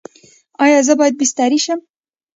ایا زه باید بستري شم؟